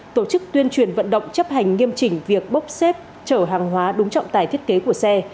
tổ chức tuyên truyền vận động chấp hành nghiêm chỉnh việc bốc xếp chở hàng hóa đúng trọng tài thiết kế của xe